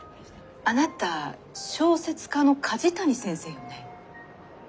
あなた小説家の梶谷先生よね？